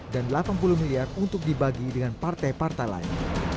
dan rp delapan puluh miliar untuk dibagi dengan partai partai lain